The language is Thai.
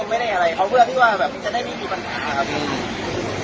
มันไม่ได้อะไรเขาเวลาที่ว่าแบบจะได้ไม่มีปัญหาครับอืม